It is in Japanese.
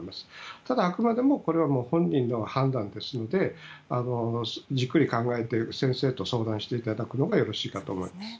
ただ、あくまでもこれは本人の判断ですのでじっくり考えて先生と相談していただくのがよろしいかと思います。